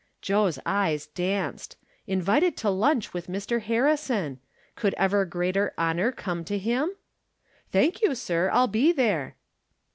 Joe's eyes danced ! Invited to lunch with Mr. Harrison ! Could ever greater honor come to him ?" Thank you, sir, I'll be there."